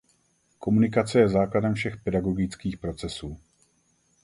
Komunikace je základem všech pedagogických procesů.